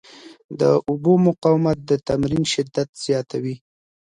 د اوبو مقاومت د تمرین شدت زیاتوي.